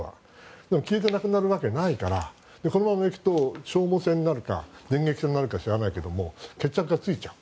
消えてなくなるわけがないからこのままいくと消耗戦になるか電撃戦になるかわからないけれど決着がついちゃう。